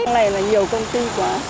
trong này là nhiều công ty quá